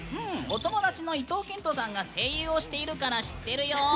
お友達の伊東健人さんが声優をしているから知ってるよ。